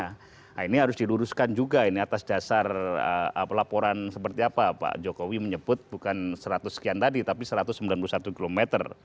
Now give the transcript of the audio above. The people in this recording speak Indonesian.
nah ini harus diluruskan juga ini atas dasar laporan seperti apa pak jokowi menyebut bukan seratus sekian tadi tapi satu ratus sembilan puluh satu km